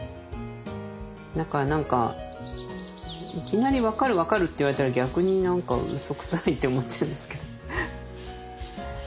だから何かいきなり「分かる分かる」って言われたら逆に何かうそくさいって思っちゃうんですけど。